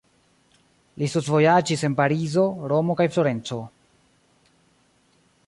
Li studvojaĝis en Parizo, Romo kaj Florenco.